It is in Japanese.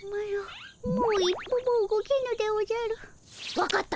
わかった。